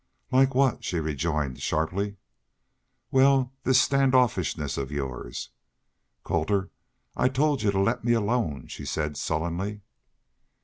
"Like what?" she rejoined, sharply. "Wal, this stand offishness of yours?" "Colter, I told y'u to let me alone," she said, sullenly.